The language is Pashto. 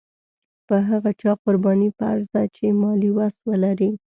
په هغه چا قرباني فرض ده چې مالي وس ولري.